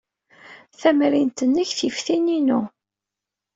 Tamrint-nnek tif tin-inu.